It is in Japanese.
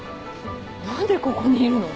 何でここにいるの？